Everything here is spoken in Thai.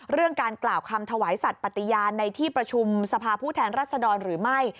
เรื่องการกล่าวคำถวายสัตว์ปฏิญาณในที่ประชุมสภาผู้แทนรัศดรหรือไม่